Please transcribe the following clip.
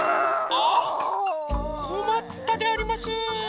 あっこまったであります。